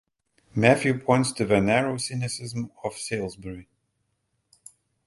Matthew points to "the narrow cynicism of Salisbury".